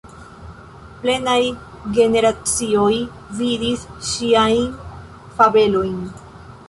Plenaj generacioj vidis ŝiajn fabelojn.